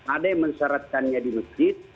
ada yang mensyaratkannya di masjid